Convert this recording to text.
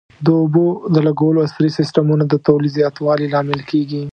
د اوبو د لګولو عصري سیستمونه د تولید زیاتوالي لامل کېږي.